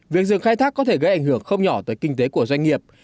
việc dừng khai thác có thể gây ảnh hưởng không nhỏ tới kinh tế của doanh nghiệp